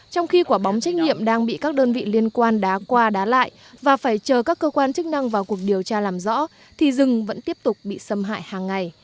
trong khi quả bóng trách nhiệm đang bị các đơn vị liên quan đá qua đá lại và phải chờ các cơ quan chức năng vào cuộc điều tra làm rõ thì rừng vẫn tiếp tục bị xâm hại hàng ngày